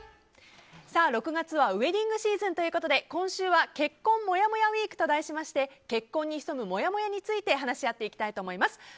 ６月はウェディングシーズンということで今週は結婚もやもやウィークと題しまして結婚に潜むもやもやについて話し合っていきたいと思います。